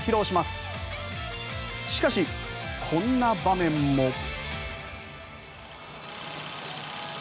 しかし、こんな場面も。